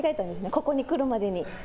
ここに来るまでに。